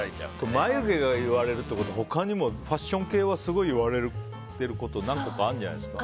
眉毛が言われるってことは他にもファッション系はすごい言われてること何個かあるんじゃないですか。